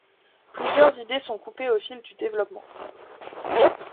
Plusieurs idées sont coupées au fil du développement.